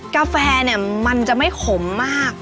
กาแฟมันจะไม่ขมมาก